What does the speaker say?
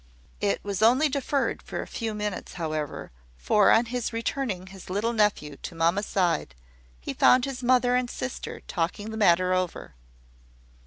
It was only deferred for a few minutes, however; for, on his returning his little nephew to mamma's side, he found his mother and sister talking the matter over.